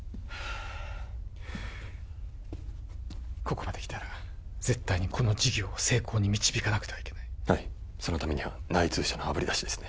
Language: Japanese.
あここまできたら絶対にこの事業を成功に導かなくてはいけないはいそのためには内通者のあぶり出しですね